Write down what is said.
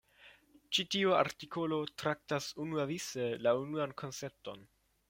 Ĉi tiu artikolo traktas unuavice la unuan koncepton.